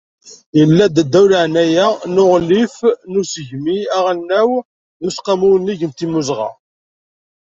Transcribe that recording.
Yella-d, ddaw leɛnaya n Uɣlif n usegmi aɣelnaw d Useqqamu Unnig n Timmuzɣa.